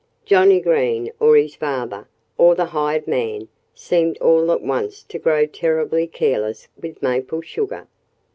Johnnie Green, or his father, or the hired man seemed all at once to grow terribly careless with maple sugar.